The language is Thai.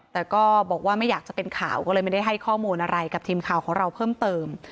แต่ก็บอกว่าไม่อยากจะเป็นข่าวก็เลยไม่ได้ให้ข้อมูลอะไรกับทีมข่าวของเราเพิ่มเติม